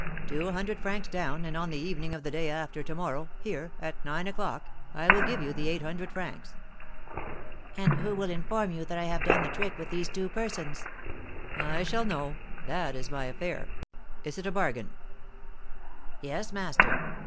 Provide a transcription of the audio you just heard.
Two hundred francs down, and on the evening of the day after to morrow, here, at nine o'clock, I will give you the eight hundred francs.' 'And who will inform you that I have done the trick with these two persons?' 'I shall know; that is my affair. Is it a bargain?' 'Yes, master.'